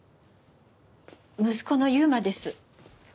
息子の優馬です。